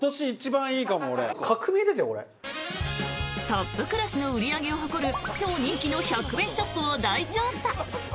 トップクラスの売り上げを誇る超人気の１００円ショップを大調査！